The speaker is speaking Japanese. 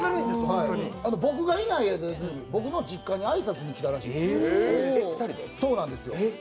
僕がいない間に僕の実家に挨拶に来たらしいんです。